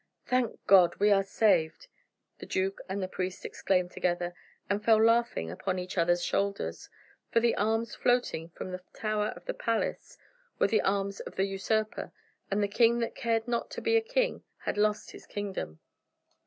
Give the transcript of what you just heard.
"Thank God! we are saved," the duke and the priest exclaimed together, and fell laughing upon each other's shoulders. For the arms floating from the tower of the palace were the arms of the usurper, and the king that cared not to be a king had lost his kingdom.